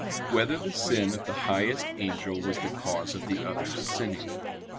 8] Whether the Sin of the Highest Angel Was the Cause of the Others Sinning?